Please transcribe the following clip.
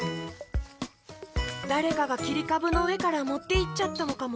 だれかがきりかぶのうえからもっていっちゃったのかも。